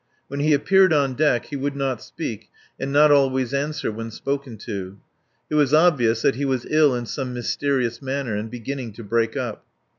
When he appeared on deck he would not speak and not always answer when spoken to. It was obvious that he was ill in some mysterious manner, and beginning to break up.